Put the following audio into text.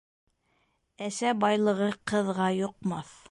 Әсә байлығы ҡыҙға йоҡмаҫ.